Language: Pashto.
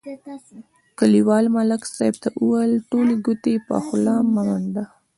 کلیوال ملک صاحب ته ویل: ټولې ګوتې په خوله مه منډه.